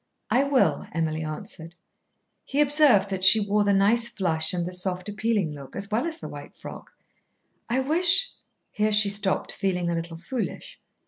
"I will," Emily answered. He observed that she wore the nice flush and the soft appealing look, as well as the white frock. "I wish " Here she stopped, feeling a little foolish.